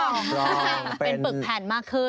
เป็นปึกแผ่นมากขึ้น